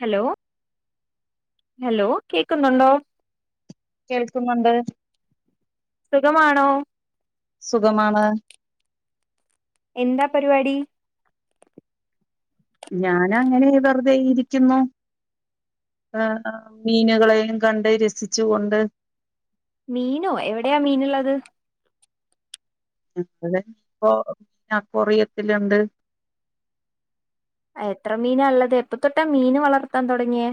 Hello hello കേക്കുന്നുണ്ടോ കേൾക്കുന്നുണ്ട് സുഖമാണോ സുഖമാണ് എന്താ പരിപാടി ഞാനങ്ങനെ വെറുതെ ഇരിക്കുന്നു ഏ മീനുകളെയും കണ്ട് രസിച്ചു കൊണ്ട് മീനോ എവിടെയാ മീനുള്ളത് അത് ഇപ്പോ അക്വറിയത്തിലുണ്ട് എത്ര മീനാ ഒള്ളത് എപ്പ തൊട്ടാ മീന് വളർത്താൻ തൊടങ്ങിയേ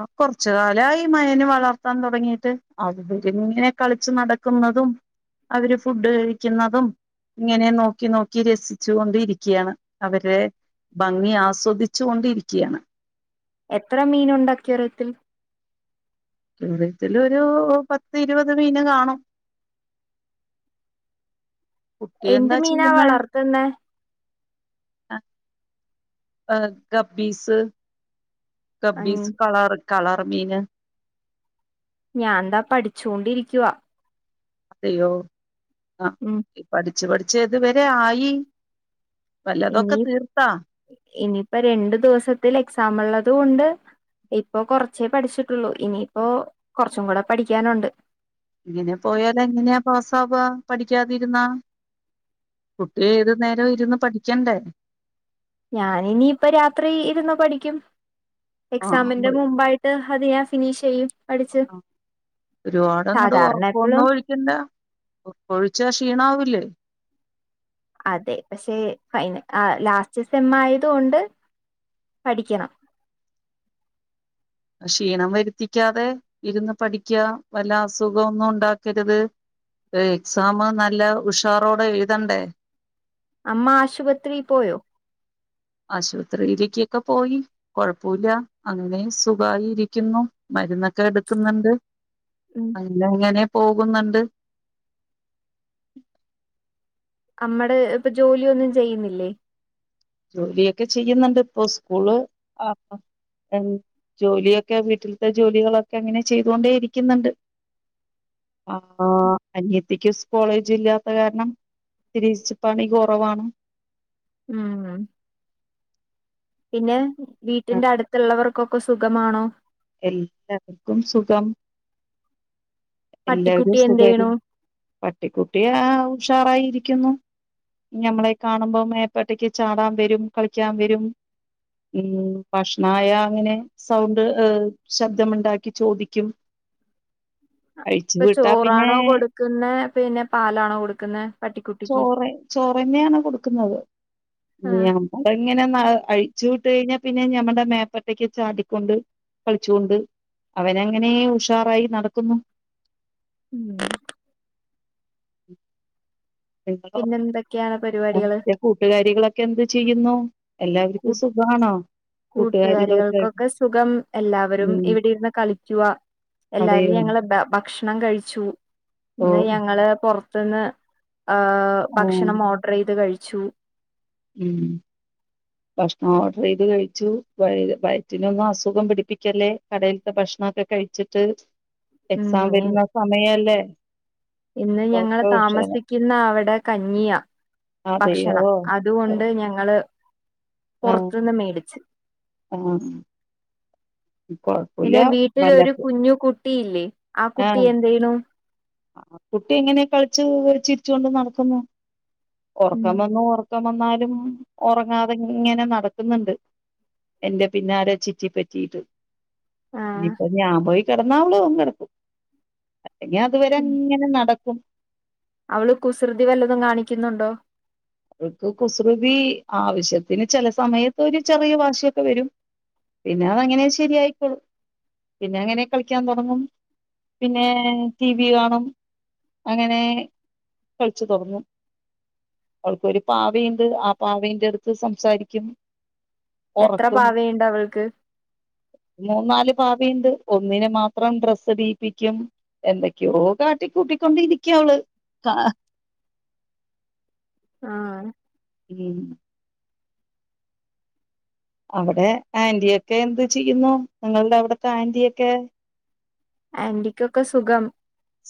അ കൊറച്ച് കാലായി മയേന്ന് വള വളർത്താൻ തൊടങ്ങീട്ട് [unintelligible] ഇങ്ങനെ കളിച്ച് നടക്കുന്നതും അവര് ഫുഡ് കഴിക്കുന്നതും ഇങ്ങനെ നോക്കി നോക്കി രസിച്ചു കൊണ്ടിരിക്കയാണ് അവരെ ഭംഗി ആസ്വദിച്ചു കൊണ്ടിരിക്കയാണ് എത്ര മീനുണ്ട് അക്വേറിയത്തിൽ ക്വാറത്തിലൊരു പത്തിരുപത് മീന് കാണും കുട്ടി എന്ത് എന്താ മീനാ വളർത്തുന്നേ ആ ആ കബ്ബീസ് ഉം കബ്ബീസ് കളറ് കളറ് മീന് ഞാനെന്താ പഠിച്ചോണ്ടിരിക്കാ അതെയോ അ ഇ ഉം പഠി പഠിച്ച് പഠിച്ച് എതുവരെ ആയി വല്ലതൊക്കെ ഇനി തീർത്താ ഇനിപ്പ രണ്ട് ദിവസത്തിലേ എക്സാമുള്ളൂ അതുകൊണ്ട് ഇപ്പം കൊറച്ചേ പഠിച്ചിട്ടുള്ളൂ ഇനിപ്പോ കുറച്ചും കൂടെ പഠിക്കാനുണ്ട് ഇങ്ങനെ പോയാലെങ്ങനാ പോസ് ബ വ പഠിക്കാതിരുന്നാ- കുട്ടി ഏതു നേരം ഇരുന്ന് പഠിക്കണ്ടേ ഞാനിനിപ്പ രാത്രി ഇരുന്ന് പഠിക്കും എക്സാമിന്റെ ആഹ് മുമ്പായിട്ട് അത് ഞാൻ ഫിനിഷെയ്യും ഒരുപാടങ്ങോട്ട് സാധാരണ എപ്പളും ഒറക്കൊന്നും ഒഴിക്കണ്ട ക്കൊഴിച്ചാ ക്ഷീണാവില്ലേ അതെ പക്ഷെ ഫൈന ക് ലാസ്റ്റ് സെം ആയതോണ്ട് പഠിക്കണം ക്ഷീണം വരുത്തിക്കാതെ ഇരുന്ന് പഠിക്ക വല്ല അസുഖൊന്നും ഉണ്ടാക്കരുത് എ എക്സാം നല്ല ഉഷാറോടെ എഴുതണ്ടേ അമ്മ ആശുപത്രീ പോയോ ആശുപത്രിയിലേക്കൊക്കെ പോയി കൊഴപ്പുല്ല അങ്ങനെ സുഖായി ഇരിക്കുന്നു മരുന്നൊക്കെ എടുക്കുന്നുണ്ട് ഉം അങ്ങനെ ങ്ങനെ പോ ക്കുന്നുണ്ട് നമ്മടെ ഇപ്പൊ ജോലിയൊന്നും ചെയ്യുന്നില്ലേ ജോലിയൊക്കെ ചെയ്യുന്നുണ്ട് ഇപ്പൊ സ്കൂള് ആ ൺ ജോലിയൊക്കെ വീട്ടിലത്തെ ജോലികളൊക്കെ അങ്ങനെ ചെയ്തുകൊണ്ടേ ഇരിക്കുന്നുണ്ട് ആ അനിയത്തിക്ക് കോളേജ് ഇല്ലാത്ത കാരണം ഇത്തിരി പണി കുറവാണ് ഉം ഉം പിന്നെ വീട്ടിന്റെ അടുത്ത്ള്ളവർ ഓക്ക് സുഖമാണോ എല്ലാർക്കും സുഖം എല്ലാരും പട്ടിക്കുട്ടി എന്ത് സുഖായിരി ചെയ്യണു പട്ടിക്കുട്ടി ആ ഉഷാറായിരി ക്കുന്നു ഞമ്മളെ കാണുമ്പോ മേപ്പട്ടക്ക് ചാടാൻ വരും കളിക്കാൻ വരും ഊം ഭഷ്ണായ ങ്ങനെ സൗണ്ട് ശബ്ദമ്ണ്ടാക്കി ചോദിക്കും അ അഴിച്ചു ഇപ്പൊ വിട്ടാ പിന്നെ ചോറാണോ കൊടുക്കുന്നേ പിന്നെ പാലാണോ കൊടുക്കുന്നേ ചോറെ ചോറെന്നാണ് കൊടുക്കുന്നത് ആഹ് [unintelligible] ങ്ങനെ നട് അഴിച്ചു വിട്ട്കഴിഞ്ഞാ പിന്നെ ഞമ്മടെ മേപ്പട്ടെക്ക് ചാടിക്കൊണ്ട് കളിച്ചോണ്ട് അവനങ്ങനേ ഉഷാറായി നടക്കുന്നു. ഉം നിങ്ങളോ എന്തൊക്കെയാണ് പരിപാടികള് മറ്റേ കൂട്ടുകാരികളൊക്കെ എന്ത് ചെയ്യുന്നു [unintelligible] എല്ലാവർക്കും കൂട്ട് സുഖാണോ കൂട്ടുകാരികളൊക്കെ കൂട്ടുകാരികൾക്കൊക്കെ സുഖം എല്ലാവരും ഉം ഇവിടെ ഇര്ന്ന് കളിക്കുവാ എല്ലാരും അതെയോ ഞങ്ങളെ ഭ ക്ഷണം കഴിച്ചു ഓ ഇന്ന് ഞങ്ങള് പു ത്ത്ന്ന് ആ ഓ ഭക്ഷണം ഓട്ർ ചെയ്ത് കഴി ച്ചു ഉം ഭക്ഷണം ഓഡർ ചെയ്ത് കഴിച്ചു വയ വയറ്റിനൊന്നും അസുഖം പിടിപ്പിക്കല്ലേ കടീൽത്തെ ഭക്ഷണൊക്കെ കഴിച്ചിട്ട് എക്സാം ഉം വരുന്ന സമയല്ലേ ഇന്ന് ഞങ്ങള് [unintelligible] താമസിക്കുന്ന അവിടെ കഞ്ഞിയാ അതെയോ ഭക്ഷണം ഓ അതുകൊണ്ട് ഞങ്ങള് ആഹ് പുറത്ത്ന്ന് മേടിച്ച് ആഹ് കൊഴപ്പല്ല പിന്നെ വീട്ടിലൊരു വല്ലപ്പോ കുഞ്ഞു കു ട്ടീല്ലേ ആ കുട്ടി എന്തെയുനു ആ കുട്ടി ഇങ്ങനെ കളിച്ചു ചിരിച്ചുകൊണ്ട് നടക്കുന്നു ഒറക്കം വന്നു ഒറ ഒറക്കം വന്നാലും ഒറങ്ങാതെ ഇങ്ങനെ നടക്കുന്ന്ണ്ട് എന്റെ പിന്നാലെ ചുറ്റിപ്പറ്റീട്ട് ആഹ് ഇപ്പൊ ഞാപോയി കെടന്നാവളും കെടക്കും ഞ്ഞി അതുവരെ ഇങ്ങനെ നട ഉം അവള് കുസൃതി വല്ലതും കാണിക്കുന്നുണ്ടോ അവർക്ക് കുസൃതി ആവശ്യത്തിന് ചില സമയത്ത് ഒരു ചെറിയ വാശിയൊക്കെ വരും പിന്നെ അതങ്ങനെ ശരിയായിക്കോളും പിന്നെ അങ്ങനെ കളിക്കാൻ തൊടങ്ങും പിന്നെ ടി വി കാണും അങ്ങനേ കളിച്ചു തൊടങ്ങും അവൾക്കൊരു പാവേണ്ട് ആ പാവേന്റട്ത്ത് സംസാരിക്കും എത്ര ഉറക്കും പാവയുണ്ട് അവൾക്ക് പാവിണ്ട് ഒന്നിനെ മാത്രം ഡ്രെസ്സ് ഇടീപ്പിക്കും എന്തൊക്കെയോ കാട്ടിക്കൂട്ടിക്കൊണ്ടിരിക്ക അവള് ക ആഹ് ഉം അവിടെ ആന്റിയൊക്കെ എന്ത് ചെയ്യുന്നു നിങ്ങളുടെ അവിടത്തെ ആന്റിയൊക്കെ ആന്റിക്കൊക്കെ സുഖം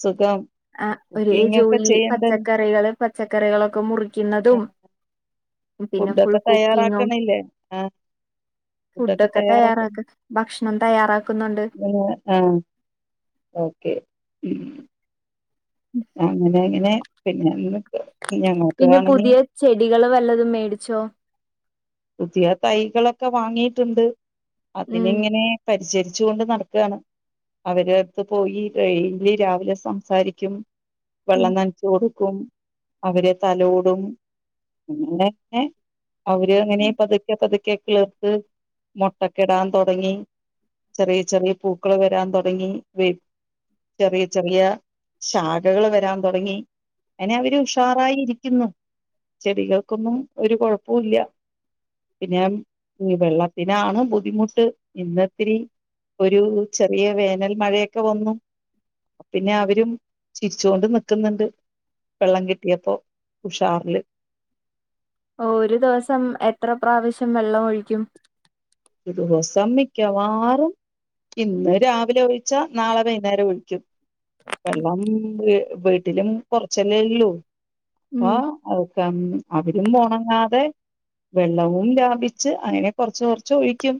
സുഖം ആ ഒരേ കുക്കിംഗ് ഒക്കെ ജോലി ചെയ്യണ്ടല്ലോ പച്ചക്കറികള് പച്ചക്കറികളൊക്കെ മുറിക്കുന്നതും പിന്നെ ഫുൾ ഫുഡൊക്കെ കുക്കിങ്ങും തയ്യാറാക്കണില്ലേ ആ ഫുഡൊക്കെ തയ്യാറാക്ക ഭക്ഷണം തയ്യാറാക്കുന്നുണ്ട് ആ ഓക്കെ ഉം അങ്ങനെ പിന്നെ പിന്നെ ന്ന് പ്പം പിന്നെ പുതിയ ചെടി കള് വല്ലതും മേടിച്ചോ പുതിയ തൈകളൊക്കെ വാങ്ങിയിട്ടുണ്ട് ഉം അതിനിങ്ങനെ പരിചരി ച്ചുകൊണ്ട് നടക്കണ് അവരെ അടുത്ത് പോയി ടെയിലി രാവിലെ സംസാരിക്കും ഉം വെള്ളം നനചൂ കൊടു ക്കും അവരെ തലോടും അങ്ങനെ ഏ അവ ര് അങ്ങനെ പതുക്കെ പതുക്കെ കിളിർത്ത് മോട്ടക്കെടാൻ തൊടങ്ങി ചെറിയ ചെറിയ പൂ ക്കള് വരാൻ തുടങ്ങി വേ ചെറിയ ചെറിയ ശാഖകൾ വരാൻ തുടങ്ങി അനെ അവര് ഉഷാറായി ഇരിക്കുന്നു ചെടികൾക്കൊന്നും ഒരു കൊഴപ്പവുല്ല പിന്നെ വെള്ളത്തിനാണ് ബുദ്ധിമുട്ട് ഇന്നിത്തിരി ഒരു ചെറിയ വേനൽ മഴയൊക്കെ വന്നു പിന്നെ അവരും ചിരിച്ചു കൊണ്ട് നിക്ക്ന്നുണ്ട് വെള്ളം കിട്ടിയപ്പോ ഉഷാറ്ല് ഒരു ദിവസം എത്ര പ്രാവശ്യം വെള്ളം ഒഴിക്കും ദിവസം മിക്കവാറും ഇന്ന് രാവിലെ ഒഴിച്ചാ നാളെ വൈകുന്നേരം ഒഴിക്കും വെള്ളം വ് വീട്ടിലും കൊറച്ചല്ലേ ഉള്ളൂ ഉം ആഹ് അ [unintelligible] അവരും ഉണങ്ങാതെ വെള്ളവും ലാപിച്ച് അങ്ങനെ കൊറച്ച് കൊറച്ച് ചോഴിക്കും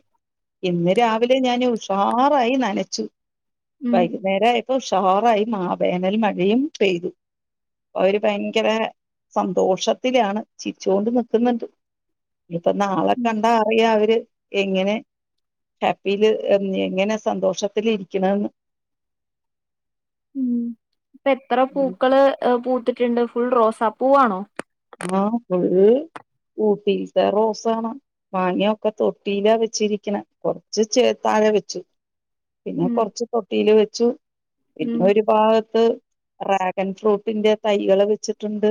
ഇന്ന് രാവിലെ ഞാൻ ഉഷാറായി നനച്ചു ഉം വൈകുന്നേരാപ്പൊ ഉഷാറാ മാവേനൽ മഴയും പെയ്തു അവര് ഭയങ്കര സന്തോഷത്തിലാണ് ചിരിച്ചുകൊണ്ട് നക്കുന്നുണ്ട് ഇപ്പൊ നാളെ ഉം കണ്ട അറിയ അവര് എങ്ങനെ ഹാപ്പിയില് എങ്ങനെ സന്തോഷത്തിൽ ഇരിക്കണന്ന് ഉം ഇപ്പ എത്ര പൂക്കള് പു ത്തിട്ടുണ്ട് ഫുൾ റോസാ പൂവാണോ ആ ഫുൾ ഊട്ടിസെ റോസാണ് മാങ്ങയൊക്കെ തൊട്ടിയിലാ വെച്ചിരിക്കണെ കൊറച്ച് ചേ ത്താഴെ വെച്ചു പിന്നെ ഉം കൊറച്ച് തൊട്ടിയില് വെച്ചു ഉം പിന്നെ ഒരു ഭാഗത്ത് ഡ്രാഗൺ ഫ്രൂട്ടിന്റെ തൈകള് വെച്ചിട്ടുണ്ട്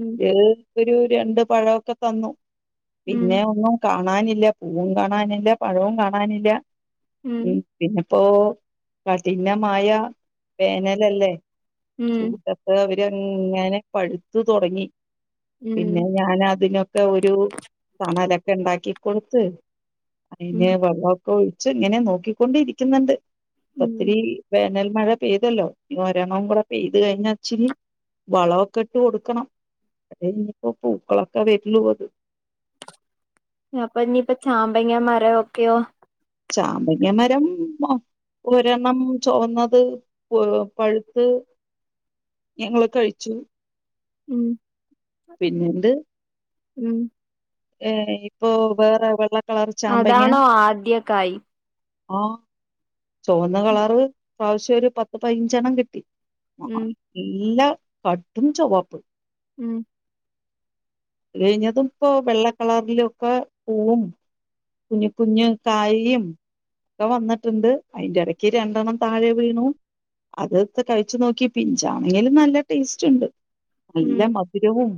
ഉം ഒരു രണ്ട് പഴവക്കെ തന്നു പിന്നെ ഉം ഒന്നും ക കാണാനില്ല പൂവും കാണാനില്ല പഴവും കാണാനില്ല ഉം പിന്ന പ്പോ കഠിനമായ വേനലല്ലേ ഉം ചൂടത്ത് ഇതങ്ങനെ പഴുത്തു തുടങ്ങി പിന്നെ ഉം ഞാൻ അതിനൊക്കെ ഒരു തണല ഇണ്ടാക്കി കൊടുത്ത് [unintelligible] [unintelligible] ഉം ഇങ്ങനെ നോക്കിക്കൊണ്ട് ഇരിക്കുന്നുണ്ട് ഉം ഒത്തിരി വേനൽ മഴ പൊയ്തല്ലോ ഇനി ഒരണ്ണം കുട പൊയത് കഴിഞ്ഞ ഇച്ചിരി വളൊക്ക ഇട്ട് കൊടു കണം [unintelligible] പൂക്കളൊക്കെ വരുള്ളൂ അത് അപനിപ്പ ചാമ്പങ്ങ മാരോക്കെയോ ചാമ്പങ്ങ മരം ഒ ഒരണ്ണം- ചൊവന്നത് പഴുത്ത് ഞങ്ങള് കഴിച്ചു- ഉം- പിന്നെന്ത്? ഉം- ഏ ഇപ്പൊ വേറെ വെള്ള കളർ ചാമ്പങ്ങ അതാണോ ആദ്യം- കായി- ആ ചൊവന്ന കളറ് ഇപ്രാവശ്യം ഒരു പത്ത് പതിനഞ്ചെണ്ണം കിട്ടി- ആ ഉം ഇല്ലാ- കടും ചൊവ്പ്പ്- ഉം- കഴിഞ്ഞതുപ്പോ വെള്ള കളറിലൊക്കെ പൂവും കുഞ്ഞ് കുഞ്ഞ് കായിയും ഒക്കെ വന്നിട്ടുണ്ട് അതിന്റെ ഇടക്ക് രണ്ടെണ്ണം താഴെ വീണു അത്ട്ത്ത് കഴിച്ചു നോക്കി പിഞ്ചാണെങ്കിലും നല്ല ടേസ്റ്റ് ഇണ്ട്- നല്ല ഉം മധുരവും-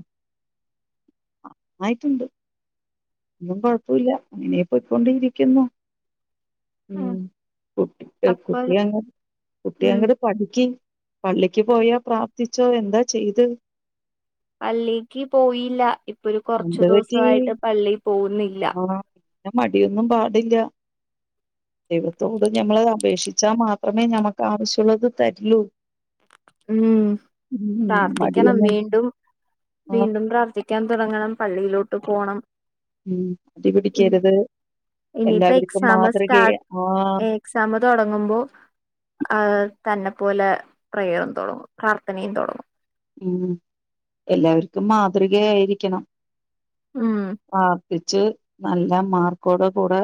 ആയിട്ട്ണ്ട് ഒന്നും കൊഴപ്പല്ല ഇങ്ങനെയ പോയിക്കൊണ്ടിരിക്കുന്നു ഉം കുട്ടി അപ്പൊ കുട്ടി ആണ് കുട്ടി ഉം അങ്ങട് പഠിക്ക് പള്ളിക്ക് പോയ പ്രാർത്ഥിച്ചോ എന്താ ചെയ്ത് പല്ലീക്ക് പോയില്ല ഇപ്പൊ ഒരു കുറച്ച് എന്ത് പറ്റി ദുവസായിട്ട് പള്ളി പോകുന്നില്ല ആ പിന്നെ മടിയൊന്നും പാടില്ല ദൈവത്തോട് ഞമ്മള് അപേക്ഷിച്ചാൽ മാത്രമേ ഞമ്മക്ക് ആവശ്യൊള്ളത് തര്ലൂ ഉം പ്രാർത്ഥിക്കണം മടിയൊന്നും വീണ്ടും ആ വീണ്ടും പ്രാർത്ഥിക്കാൻ തുടങ്ങണം പള്ളിയിലോട്ട് പോണം ഉം മടി പിടിക്കരുത് ഇനിയിപ്പ എല്ലാവർക്കും എക്സാമ് സ്റ്റാർ മാതൃകയെ ആ എക്സാമ് തൊടങ്ങുമ്പോ ആ തന്നെ പോലെ പ്രയർ തുടങ്ങും പ്രാർത്ഥനേയും തുടങ്ങും ഉം എല്ലാവർക്കും മാതൃകയായിരിക്കണം ഉം ആഹ് ടിച്ചു നല്ല മാർക്കോടെ കൂടെ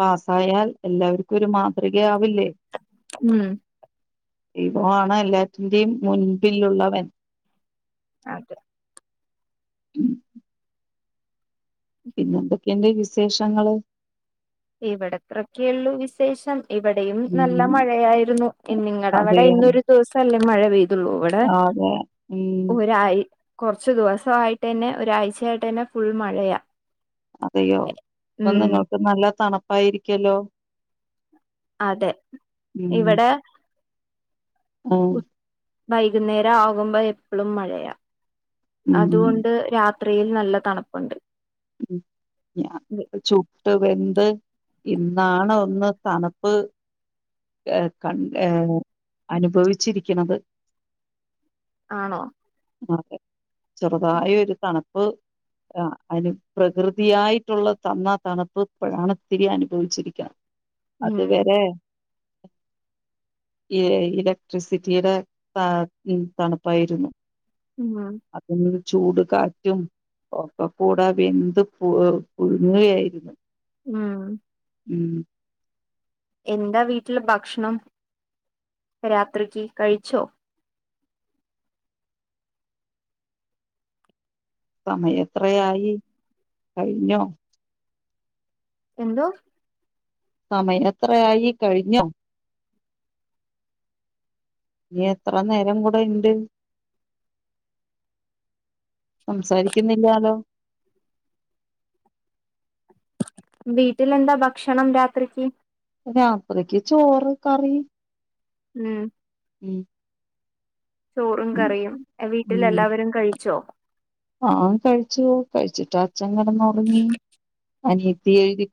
പാസ്സായാൽ എല്ലാവർക്കും ഒരു മാതൃകയാ ഉം ദൈവൊവിണ് എല്ലാറ്റിന്റിം മുൻപിലുള്ളവൻ അതെ [unintelligible] പിന്നെന്തൊക്കെണ്ട് വിശ് ശേഷങ്ങള് ഇവിടത്രക്കെള്ളൂ വിശേഷം ഇവിടെയും നല്ല ഉം മഴയായിരുന്നു നിങ്ങട അവ്ടെ അതെയോ ഇന്നൊരു ദുവസല്ലേ മഴ പെയ് ട്ടുള്ളു ഇവിടെ ആ, അതെ ഉം ഒരായി കുറച്ചു ദുവസായിട്ട് തന്നെ ഒരാഴ്ചയായിട്ട് തന്നെ ഫുൾ മഴയാ അതെയോ ഇപ്പൊ ഉം നിങ്ങൾക്ക് നല്ല തണു പ്പായിരിക്കല്ലോ അതെ ഇവിടെ ഉം വൈകുന്നേര ആകുമ്പോ എപ്പളും മഴയാ ഉം ഉം അതുകൊണ്ട് രാത് ത്രിയിൽ നല്ല തണുപ്പുണ്ട് [inaudible] ഞാൻ വി- ചുട്ട് വെന്ത് ഇന്നാണ് ഒന്ന് തണുപ്പ് ഏ കൺ ഏർ അനുഭവിച്ചിരിക്ക്ണത് ആണോ അതെ ചെറുതായി ഒരു തണുപ്പ് അനു പ്രകൃതിയായിട്ടുള്ള തന്നാ തണുപ്പ് ഇപ്പോഴാണ് ഇത്തിരി അനുഭവിച്ചിരിക്കിണെ ഉം അത് വരെ ഇലക്ട്രിസിറ്റിയുടെ തണുപ്പായിരുന്നു ഉം അതും ഈ ചൂട് കാറ്റും ഒക്കെ കൂടെ വെന്ത് പു പുഴുങ്ങുകയായിരുന്നു ഉം ഉം എന്താ വീട്ടില് ഭക്ഷണം രാത്രിക്ക് കഴിച്ചോ സമയം എത്രയായി കഴിഞ്ഞോ എന്തോ സമയം എത്രയായി കഴിഞ്ഞോ ഇനി എത്ര നേരം കൂടെ ഇണ്ട് സംസാരിക്കുന്നില്ലാലോ വീട്ടിലെന്താ ഭക്ഷണം രാത്രിക്ക് രാത്രിക്ക് ചോറ് കറി ഉം ഉം ചോറും ഉം കറിയും വീട്ടിൽ ഉം എല്ലാവരും കഴിച്ചോ ആഹ് കഴിച്ചു കഴിച്ചിട്ടാ ഛൻ കെടന്നുറങ്ങി അനിയത്തിയെഴുതി